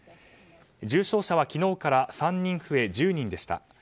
重症者は昨日から３人増え１０人でした。